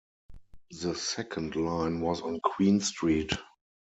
The second line was on Queen Street.